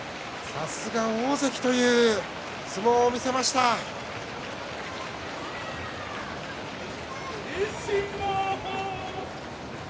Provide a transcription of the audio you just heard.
さすが大関という相撲を見せました、霧島。